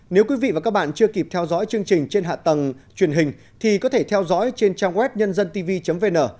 nếu quý vị và các bạn chưa kịp theo dõi chương trình trên hạ tầng truyền hình thì có thể theo dõi trên trang web nhân dân tivi vn